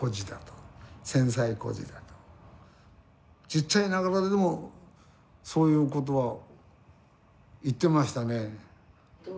ちっちゃいながらでもそういうことは言ってましたね。